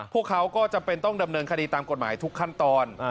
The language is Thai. พวกเขาก็จำเป็นต้องดำเนินคดีตามกฎหมายทุกขั้นตอน